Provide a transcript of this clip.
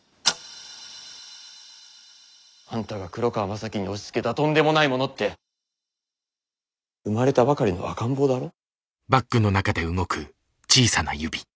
あんたが黒川政樹に押しつけたとんでもないものって生まれたばかりの赤ん坊だろ？